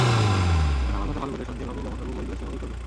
এখন আমার কথা ভালো করে শোন, যেভাবে জগন বাবু বলবে সেভাবেই করবি।